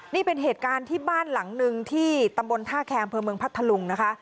นี่เป็นเหตุการณ์ที่บ้านหลังหนึ่งที่ตำบลท่าแคมเภอเมืองพัทธลุงนะคะ